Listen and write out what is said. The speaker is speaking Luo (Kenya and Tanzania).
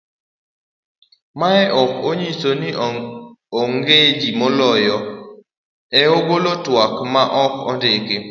mae ok onyiso ni ong'e ji molony e golo twak ma ok ondiko